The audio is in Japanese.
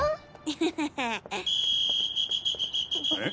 ハハハ。え？